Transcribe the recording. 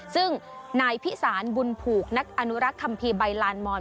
ซึ่งนายพิสารบุญผูกนักอนุรักษ์คัมภีร์ใบลานมอน